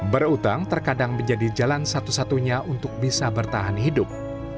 berutang terkadang menjadi jalan satu satunya untuk bisa bertahan hidup